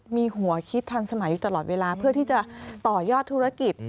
มีหัวคิดทันสมัยอยู่ตลอดเวลาเพื่อที่จะต่อยอดธุรกิจ